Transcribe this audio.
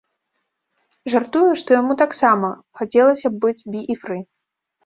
Жартуе, што яму таксама хацелася б быць бі і фры.